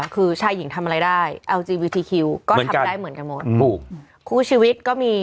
คือชายหญิงทำอะไรได้ก็ทำได้เหมือนกันหมดคู่ชีวิตก็มี